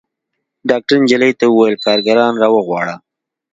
ډاکتر نجلۍ ته وويل کارګران راوغواړه.